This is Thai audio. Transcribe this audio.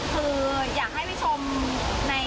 ก็ยังมีเหมือนเดิม